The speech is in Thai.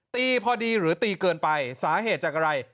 ตีพอดีหรือตีเกินไปสาเหตุจากอะไร